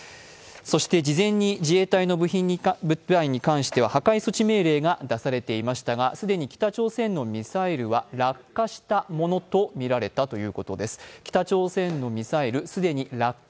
事前に自衛隊の部隊に関しては破壊措置命令が出されていましたが既に北朝鮮のミサイルは落下したものとみられています。